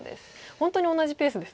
本当に同じペースですね。